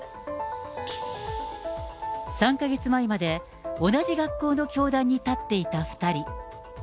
３か月前まで同じ学校の教壇に立っていた２人。